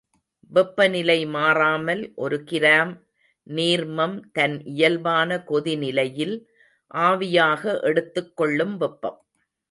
வெப்பநிலை மாறாமல் ஒரு கிராம் நீர்மம் தன் இயல்பான கொதிநிலையில் ஆவியாக எடுத்துக் கொள்ளும் வெப்பம்.